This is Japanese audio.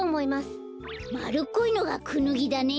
まるっこいのがクヌギだね。